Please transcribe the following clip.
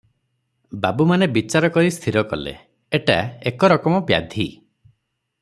ବାବୁମାନେ ବିଚାର କରି ସ୍ଥିର କଲେ, ଏଟା ଏକ ରକମ ବ୍ୟାଧି ।